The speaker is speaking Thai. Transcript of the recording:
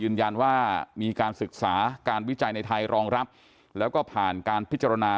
ยืนยันว่ามีการศึกษาการวิจัยในไทยรองรับแล้วก็ผ่านการพิจารณา